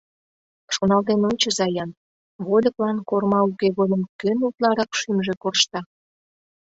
Шоналтен ончыза-ян: вольыклан корма уке годым кӧн утларак шӱмжӧ коршта?